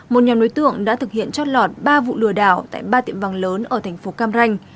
một nhóm đối tượng đã thực hiện chót lọt ba vụ lừa đảo tại ba tiệm vàng lớn ở thành phố cam ranh